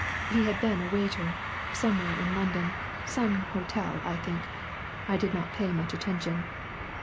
He had been a waiter somewhere in London some hotel, I think I did not pay much attention.